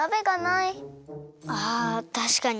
あたしかに。